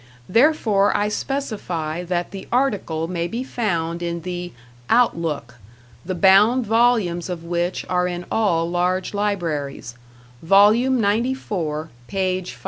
Therefore I specify that the article may be found in the "Outlook", the bound volumes of which are in all large libraries: volume 94, page 576.